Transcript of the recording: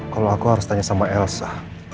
kalau aku harus tanya sama elsa